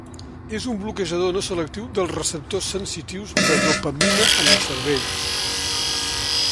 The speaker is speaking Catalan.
És un bloquejador no selectiu dels Receptors sensitius de dopamina en el cervell.